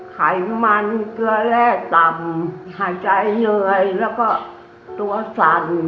ไขมันเกลือแร่ต่ำหายใจเยื่อยแล้วก็ตัวสั่น